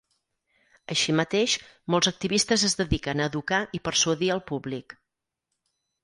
Així mateix molts activistes es dediquen a educar i persuadir al públic.